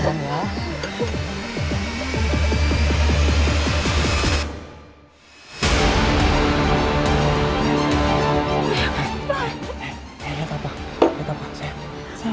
tolong ambil obatnya jesi